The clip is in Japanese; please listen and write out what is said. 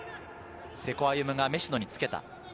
瀬古歩夢が食野につけた。